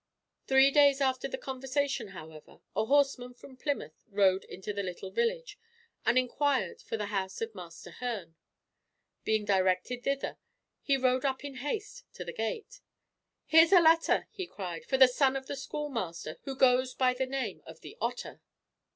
Three days after the conversation, however, a horseman from Plymouth rode into the little village, and inquired for the house of Master Hearne. Being directed thither, he rode up in haste to the gate. "Here is a letter!" he cried, "for the son of the schoolmaster, who goes by the name of the Otter."